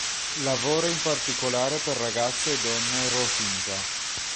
Lavora in particolare per ragazze e donne rohingya.